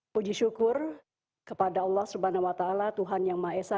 puji syukur kepada allah swt tuhan yang maha esa